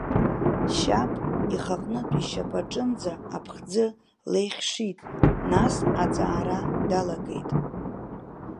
Шьааб ихаҟынтә-ишьапаҿынӡа аԥхӡы леихьшит нас аҵаара далагеит.